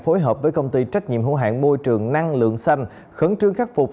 phối hợp với công ty trách nhiệm hữu hạng môi trường năng lượng xanh khẩn trương khắc phục